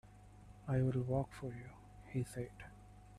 "I'll work for you," he said.